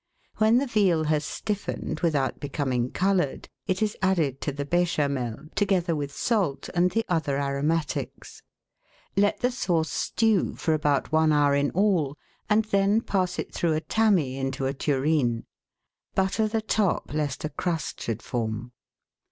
When the veal has stiffened without becoming coloured, it is added to the Bechamel, together with salt and the other aro matics. Let the sauce stew for about one hour in all, and then 22 GUIDE TO MODERN COOKERY pass it through a tammy into a tureen; butter the top, lest a crust should form.